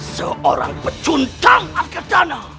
seorang pecundang arkadano